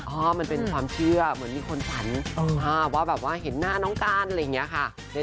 มันเป็นความเชื่อเหมือนมีคนฝันว่าแบบว่าเห็นหน้าน้องการอะไรอย่างนี้ค่ะ